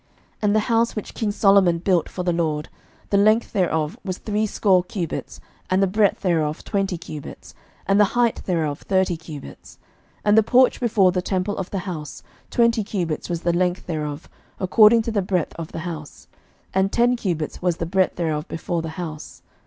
11:006:002 And the house which king Solomon built for the LORD, the length thereof was threescore cubits, and the breadth thereof twenty cubits, and the height thereof thirty cubits. 11:006:003 And the porch before the temple of the house, twenty cubits was the length thereof, according to the breadth of the house; and ten cubits was the breadth thereof before the house.